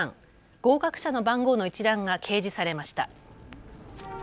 合格者の番号の一覧が掲示されました。